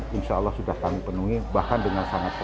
bisa ketemu sama teman teman sama guru